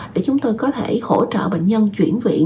để chúng tôi có thể hỗ trợ bệnh nhân chuyển viện